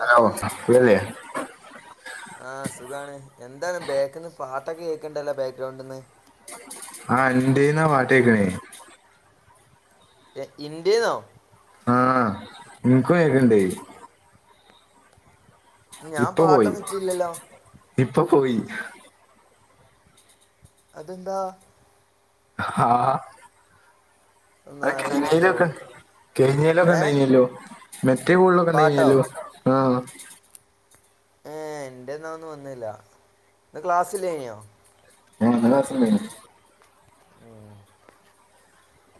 Hello സുഖല്ലേ. ആ സുഖാണ് എന്താണ് ബേക്ക്ന്ന് പാട്ടൊക്കെ കേൾക്കണ്ടല്ലോ ബാക്ഗ്രൗണ്ടിന്ന്. ആഹ് അന്റെയിന്നാ പാട്ട് കേക്കണേ. എ ഇന്റെ യിന്നോ? ആഹ് ഇൻക്കും കേക്കുണ്ട്. ഞാൻ ഇപ്പൊ പോയി പാട്ടൊന്നും ഇട്ടില്ലല്ലോ ഇപ്പൊ പോയി. അതെന്താ. ആഹ ഒന്നും അത അറിയില്ല കേട്ടോ കഴഞ്ഞയിലൊക്കെ കഴിഞ്ഞലൊക്കെ ഏ ഉണ്ടയിനല്ലോ [unintelligible] മറ്റേ കൂടുത [unintelligible] ലൊക്കെ പാട്ടോ ഉണ്ടല്ലോ ആഹ ഏ എന്റെ എന്നാ ഒന്നും വന്നില്ല ഇന്ന് ക്ലാസ്സില്ലേനിയോ ആ ഇന്ന് ക്ലാസ്സ്‌ ഉണ്ടായിനി ഉം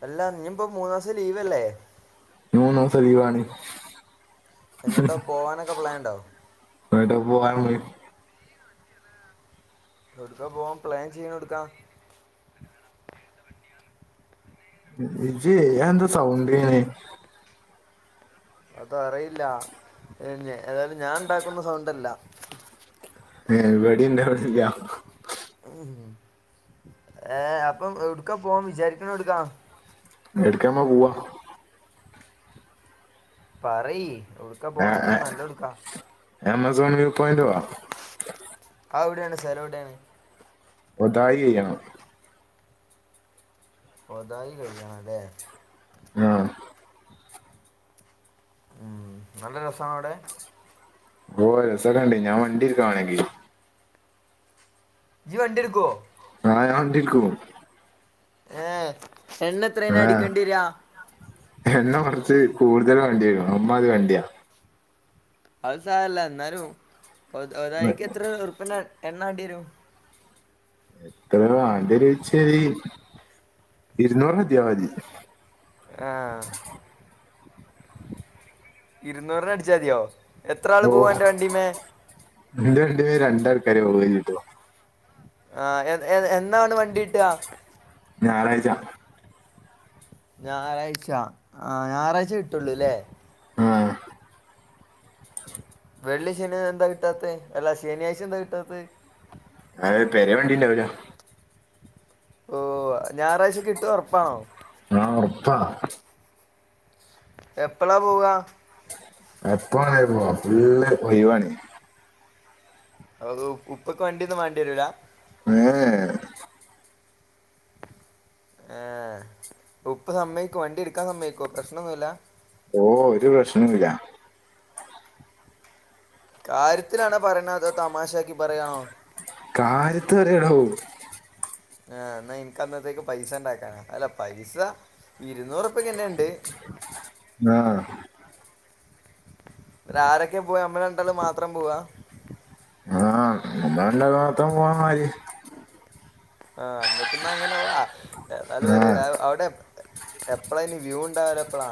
അല്ലാ ഇഞ് ഇപ്പൊ മൂന്നു ദെവസം ലീവല്ലേ മൂന്ന് ദെവസം ലീവാണ് എങ്ങോട്ടോ പോവാനൊക്കെ പ്ലാൻ ഉണ്ടോ എങ്ങോട്ടാ പോവാനുള്ളെതെ എവിടുക്കാ പോവാൻ പ്ലാൻ ചെയ്യണ എവിടുക്കാ ഇജ്ജെ അതെന്ത് സൗണ്ടേണ്? അതറിയില്ല എന്നെ ഏതായാലും ഞാൻ ഉണ്ടാക്കുന്ന സൗണ്ടല്ല. എവിടേ ഉണ്ടാവലില്ല ഏഹ് അപ്പം എവിടുക്കാ പോവാൻ വിചാരിക്കണ എവിടുക്കാ? ഏടുക്കാനമ്മ പോവാ? പറയ് ഏവ്ടുക്കാ ആ, പോവാൻ ആ, ഏറ്റവും നല്ല ഏവ്ടുക്കാ? ആമസോൺ വ്യൂ പോയിന്റ് പോവാം? ആത് എവിടെയാണ് സ്ഥലം എവിടെയാണ്? ഒതായി കയ്യണം. ഒതായി കഴിയണം അല്ലേ ആഹ് ഉം നല്ല രസാണവിടെ? ഓഹ് രസൊക്കെണ്ട് ഞാൻ വണ്ടി എടുക്കാം വേണെങ്കി ഇജ്ജ് വണ്ടിയെടുക്കുവോ? ആ ഞാൻ വണ്ടിയെടുക്കും ഏഹ് ആഹ് എണ്ണ കൊറച്ച് കൂടുതൽ വേണ്ടി വരും അമ്മാതിരി വണ്ടിയാ അത് സാരല്ല എന്നാലും ഒ ഓരാളിക്ക് എത്ര ഉറുപ്യേന്റെ എ എണ്ണ വേണ്ടി വരും എത്ര വേണ്ടിവരുച്യാല് ഇരുന്നൂറിനു എത്തിയാ മതി. ഇരുന്നൂറിനടിച്ചാ മതിയോ എത്ര ആള് പോവാ അന്റെ വണ്ടീമ്മേ? എൻ്റെ വണ്ടിമ്മേ രണ്ടാൾക്കാര് പോകലിട്ടോ ആഹ് എ എ എന്നാണ് വണ്ടീട്ടാ? ഞായറാഴ്ചാ ഞായറാഴ്ച. ആ ഞായറാഴ്ച കിട്ടുള്ളൂല്ലേ ആഹ് വെള്ളി ശനി എന്താ കിട്ടാത്തെ അല്ലാ ശനിയാഴ്ച എന്താ കിട്ടാത്തത് അത് പെരേ വണ്ടിണ്ടാവ് ലാ ഓഹ് ഞായറാഴ്ച കിട്ടു ഉറപ്പാണോ ആഹ് ഒർപ്പാ എപ്പളാ പോവാ എപ്പൊ വേണേലും പോവാ ഫുള്ള് ഒഴിവാണ് അഹ് ഉപ്പക്ക് വണ്ടിയൊന്നും വേണ്ടി വരൂലാ ഏ ഏഹ് ഉപ്പ സമ്മയ്ക്കോ വണ്ടി എടുക്കാൻ സമ്മയ്ക്കോ പ്രശ്നൊന്നുല്ലാ ഓഹ് ഒരു പ്രശ്നുല്ലാ കാര്യത്തിലാണോ പറിണെ അതോ തമാശാക്കി പറയാണോ കാര്യത്ത് പറിയാണാവോ ആഹ് ന്നാ ഇൻക്കന്നത്തേക്ക് പൈസണ്ടാക്കാനാ അല്ല പൈസ ഇരുന്നൂറുപ്യക്കെ എന്നെ ഉണ്ട് ങ്ങ്ആഹ് ആരൊക്കെ പോവാ നമ്മൾ രണ്ടാള് മാത്രം പോവാ നമ്മള് രണ്ടാളും മാത്രം പോവാമാരി ആ നമ്മക്കിന്ന അങ്ങനെ പോവാ ഏതായാലും വ ആ അവിടെ എ എപ്പളാ ഇനി വ്യൂ ഉണ്ടാവല് എപ്പളാ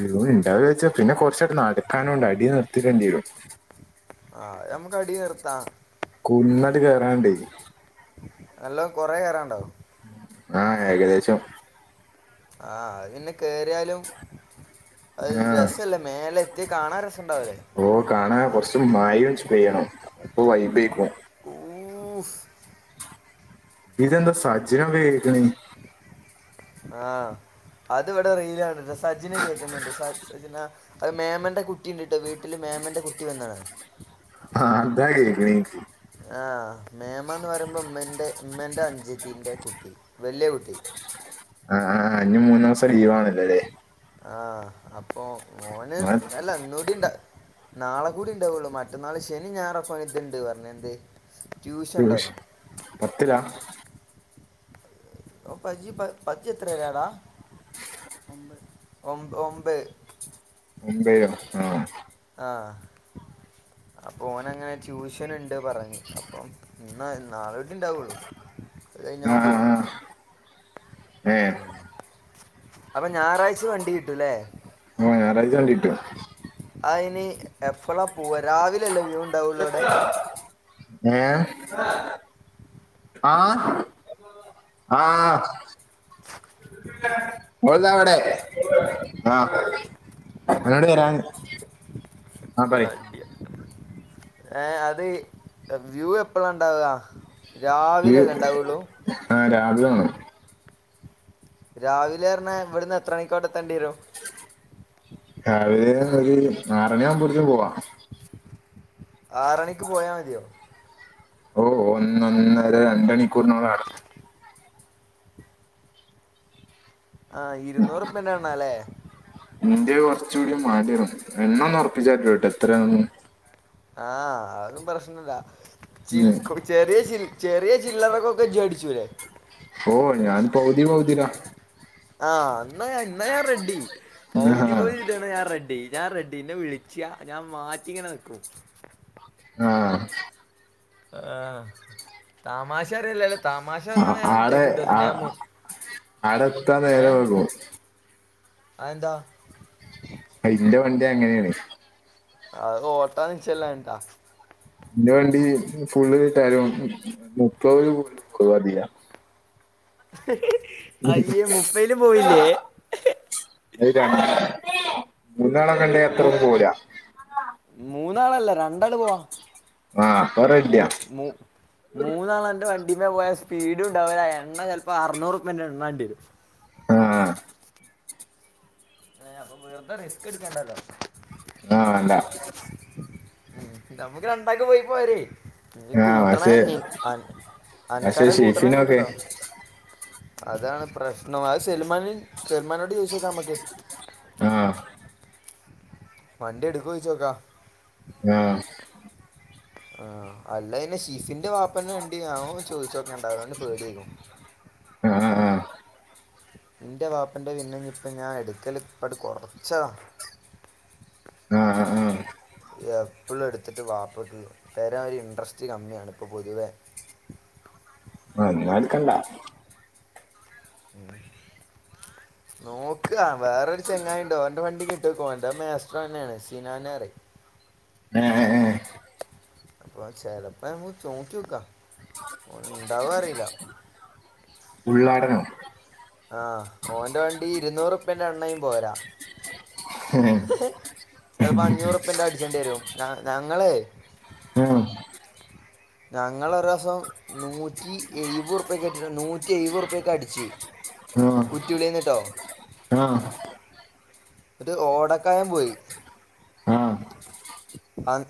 വ്യൂ ഇണ്ടാവ വച്ചാ പിന്നെ കുറച്ചേരം നടക്കാനുണ്ട് അടി നിർത്തിട്ടേണ്ടി വരും ആ നമ്മുക്ക് അടി നിർത്താം കുന്നട്ട് കയറാണ്ടേ നല്ലോ കൊറെ കേറണ്ടാവും ആ ഏകദേശം ആ അതിങ്ങനെ കെറിയാലും അത് ആ രസല്ല മേലെ എത്തി കാണാൻ രസ് ഓ കാണാ കൊറച്ചു മായ പെയ്യണം അപ്പൊ വൈബേക്കും യൂഫ് ഇതെന്താ സജനം വെയ്ക്ണ് ആ അത് ഇവിടെ റീലാണ് സജിന് കേൾക്കുന്നുണ്ട് സ സജിന അ മേമന്റെ കുട്ടിണ്ട് ട്ടോ വീട്ടില് മന്റെ കുട്ടി വന്ന്ണ് ആ അതാ കേക്ക്ണ് ഇക്ക് ആ മേമാന്ന് പറയുമ്പോ ഉമ്മൻ്റെ ഉമ്മൻ്റെ അഞ്ജത്തിൻ്റെ കുട്ടി വലിയ കുട്ടി ആ അഞ്ഞു മൂന്നു ദിവസം ലീവ് ആണല്ലോല്ലേ ആ അപ്പൊ മോന് ആ, ഇന്നലെ ഇന്നൂടി ഇണ്ടാ നാളെ കൂടി ഉണ്ടാവുള്ളൂ മറ്റന്നാള് ശനി ഞാറൊക്ക ഇതുണ്ട് പറഞ്ഞ് എന്ത് ട്യൂഷൻ ഉണ്ടല്ലോ ദൂഷ് പത്തിലാ പ പ പജ എത്രരടാ ഒ ഒമ്പത് ഒമ്പൈ ആ ആ അപ്പൊ ഓന് അങ്ങനെ ട്യൂഷൻ ഇണ്ട് പറഞ്ഞ് അപ്പം ഇ നാളെ ഇണ്ടാവുള്ളു ആ ആഹ് ഉം അപ്പൊ ഞായറാഴ്ച വണ്ടി കിട്ടൂല്ലേ ഓ ഞായറാഴ്ച വണ്ടിട്ടും ആ ഇനി എഫളാ പോവ രാവിലല്ലേ വ്യൂ ഉണ്ടാവുള്ളോ അടെ ഏ ആ ആ ഓള്താ ഇവിടെ ആ എന്നോട് വരാന്ന് ഏ അത് വ്യൂ എപ്പഴാ ഇണ്ടാവ രാവിലെ ഇത് അല്ലെ ഇണ്ടാവുള്ളൂ ആ രാവിലെ വേണം രാവിലെ എറഞ്ഞാ ഇവിടുന്ന് എത്ര മണിക്ക് അവിടെ എത്തേണ്ടി വരും രാവിലെ ഒരു ആറണി ആവുമ്പോഴത്തും പോവാ ആറണിക്ക് പോയാ മതിയോ ഓ ഒന്ന ഒന്നര രണ്ട് മണിക്കൂറിനോള് അവിടെ എത്തും ആ ഇരുന്നൂറ്പ്പന്ന എണ്ണ അല്ലേ ഇന്ത്യ കുറച്ച് കൂടി മാടിറു എണ്ണ ഒന്ന് ഉറപ്പിച്ചാട്ടോട്ടോ എത്രയാന്ന് ആ അതും പ്രശ്നല്ല ചിൽ ഉം. ചെറിയ ചിൽ ചെറിയ ചില്ലറക്കൊക്കെ ജേടിച്ചുല്ലേ ഓ ഞാൻ പൗതി പൗതിടാ ആ അന്ന ഇന്ന ഞാൻ റെഡ്ഡി ആ പൗതി പോതിട്ടാണ് ഞാൻ റെഡ്ഡി ഞാൻ റെഡ്ഡീ ഇന്നേ വിളിച്ച ഞാൻ മാറ്റി ഇങ്ങനെ നിൽക്കൂ ആ ആ തമാശാരല്ലാല ആ ആടെ ആ ആടെത്താൻ നേരം വൈകുവോ അയെന്താ അതിന്റെ വണ്ടി അങ്ങനെയാണ് അത് ഓട്ടം നിശ്ചയം ഇല്ലാഞ്ഞിട്ട ഇൻ്റെ വണ്ടി ഫുള്ള് കിട്ടിയാലും മുപ്പതി കൂടുതൽ വരില്ല അയ്യേ മുപ്പയിലും പോയില്ലേ അത് രണ്ട് മൂന്നാള് ആണെങ്കി എത്രയും പോവൂല മൂന്നാളല്ലേ രണ്ടാൾ പോവാ ആഹ് [unintelligible] മൂന്നാളന്റെ വണ്ടില് പോയാ സ്പീഡും ഉണ്ടാവില്ല എണ്ണ ചിലപ്പോ അറുന്നൂറ്‌റുപ്യെന്റെ എണ്ണ വേണ്ടി വരും ആഹ അ അപ്പൊ വെറുതെ റിസ്ക് എടുക്കണ്ടല്ലോ ആഹ അത നമ്മുക്ക് രണ്ടാക്ക് പോയി പോരെ നീ ആ കൂട്ടണ പക്ഷേ നീ പക്ഷേ അനക്കാരെ കൂട്ടണ ഷെയ്ഫിനൊക്കെ കൂട്ടട്ടോ അതാണ് പ്രശ്നം അത് സെൽമാനും സെൽമാനോട് ചോയിച്ചോക്ക നമക്ക് ആ വണ്ടി എടുക്കോചോയിച്ചോക്കാ ആഹ ആ അല്ല പിന്നെ ഷിഫിന്റെ വാപ്പന്നെ വണ്ടി അവൻ ചോദിച്ചോക്കെണ്ടാവോ പേടിയേക്കും ആ ആ ആ എന്റെ വാപ്പന്റെ വിന്നഞ്ഞിപ്പ് ഞാൻ എടുക്കല് ഇപ്പോ കുറച്ചതാ ആഹ എപ്പളും എടുത്തിട്ട് വാപ്പ തരാൻ ഇന്ട്രെസ്റ് കമ്മിയാണ് ഇപ്പൊ പൊതുവെ ആ എന്നാ എടുക്കണ്ട ഉ നോക്ക് വേറൊരു ചെങ്ങായിയുണ്ട് അവന്റെ വണ്ടി കിട്ടൊനോക്ക് അവന്റെ മാസ്റ്റർ തന്നെയാണ് സിനന് പറയും ഏ അപ്പ ചെലപ്പ ചോയിച്ചുനോക്കാം ഉണ്ടാവോ അറിയില്ല ഉള്ളാടനം ആഹ് ഓൻറെ വണ്ടി ഇരുന്നൂറുപ്പ്യേന്റെ എണ്ണയും പോരാ ഉം, ചെലപ്പോ അഞ്ഞൂറ്റുപ്പന്റെ അടിച്ചേണ്ടി വരും ഞങ്ങള ഉം, ഞങ്ങളൊരുസം നൂറ്റി എഴപതു റുപ്യക്ക് നൂറ്റി എഴപത്റുപ്യക്ക് അടിച്ചു ആഹ ആഹ ഒരു ഓടക്കായം പോയി ആ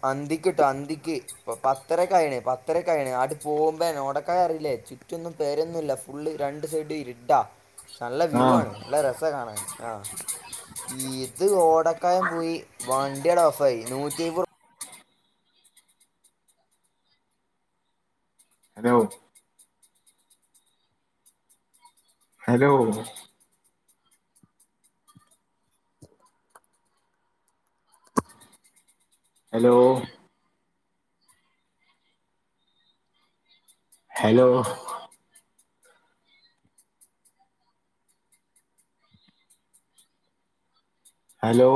അന്തിക്ക്ട്ടോ അന്തിക്ക് പത്തര കഴിയണേ പത്തര കഴണേ അട പോകുമ്പേ ഓട റേ ചുറ്റൊന്നും പേരൊന്നുമല്ല ഫുള്ള് രണ്ട് സൈഡ് ഇരുട്ട നല്ല ആ വ്യൂ ആണ് നല്ല രസ കാണാൻ ആഹ ഇത് ഓടക്കായം പോയി വണ്ടിയട ഓഫായി നൂറ്റിപത് hello hello hello hello hello